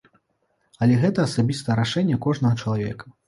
Але гэта асабістае рашэнне кожнага чалавека.